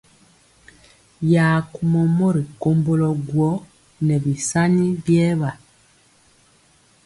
Ya kumɔ mori komblo guó nɛ bisani biewa.